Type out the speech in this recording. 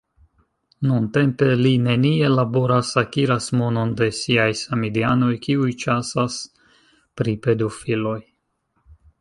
Nuntempe li nenie laboras, akiras monon de siaj samideanoj, kiuj ĉasas pri pedofiloj.